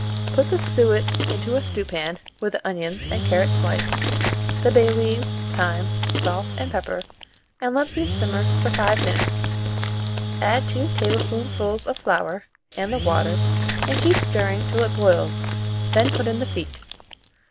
Put the suet into a stewpan, with the onions and carrot sliced, the bay leaves, thyme, salt, and pepper, and let these simmer for 5 minutes. Add 2 tablespoonfuls of flour and the water, and keep stirring till it boils; then put in the feet.